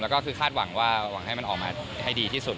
แล้วก็คือคาดหวังว่าหวังให้มันออกมาให้ดีที่สุด